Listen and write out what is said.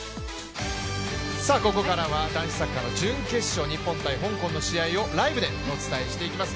ここからは男子サッカーの準決勝日本×香港の対決をライブでお伝えします。